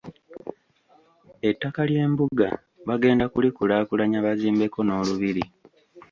Ettaka ly'embuga bagenda kulikulaakulanya bazimbeko n'olubiri.